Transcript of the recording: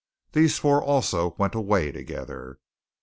These four also went away together.